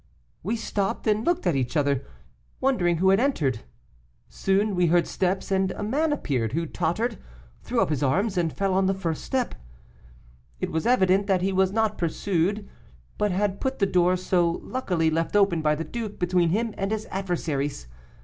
We stopped, and looked at each other, wondering who had entered. Soon we heard steps, and a man appeared, who tottered, threw up his arms, and fell on the first step. It was evident that he was not pursued, but had put the door, so luckily left open by the duke, between him and his adversaries.